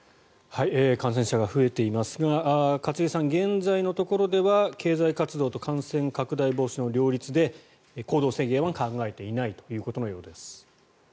感染者が増えていますが一茂さん、現在のところでは経済活動と感染防止の両立で行動制限は考えていないということのようです。